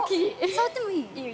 触ってもいい？